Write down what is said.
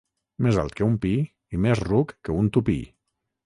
Més alt que un pi i més ruc que un tupí.